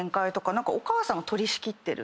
お母さんが取り仕切ってる。